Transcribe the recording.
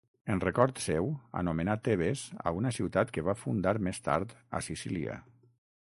En record seu anomenà Tebes a una ciutat que va fundar més tard a Sicília.